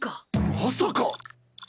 まさか！